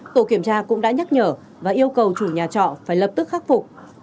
tổ kiểm tra cũng đã nhắc nhở và yêu cầu chủ nhà trọ phải lập tức khắc phục